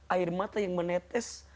air mata yang menetes